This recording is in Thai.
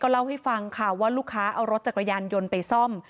เล่าให้ฟังค่ะว่าลูกค้าเอารถจักรยานยนต์ไปซ่อม